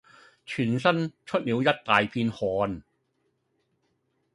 全身出了一大片汗。